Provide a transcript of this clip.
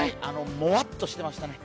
もわっとしていましたね。